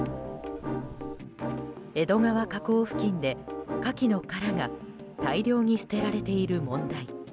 江戸川河口付近でカキの殻が大量に捨てられている問題。